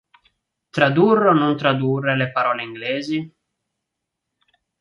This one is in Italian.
Tradurre o non tradurre le parole inglesi?